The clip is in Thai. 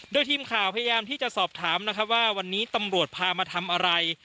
โดยทีมข่าวพยายามที่จะสอบถามนะครับว่าวันนี้ตำรวจพามาทำอะไร